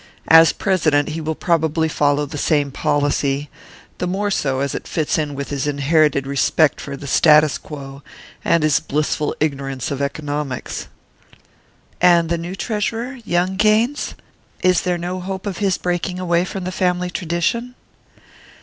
As president he will probably follow the same policy, the more so as it fits in with his inherited respect for the status quo, and his blissful ignorance of economics." "And the new treasurer young Gaines? Is there no hope of his breaking away from the family tradition?"